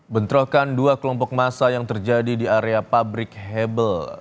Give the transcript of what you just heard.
bentrokan dua kelompok massa yang terjadi di area pabrik hebel